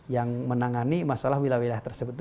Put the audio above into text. yang menangani masalah wilayah wilayah tersebut